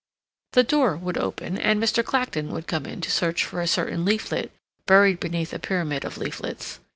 The door would open, and Mr. Clacton would come in to search for a certain leaflet buried beneath a pyramid of leaflets.